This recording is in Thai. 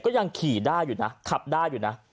ก็ยังขีด้าอยู่นะขับด้าอยู่น่ะ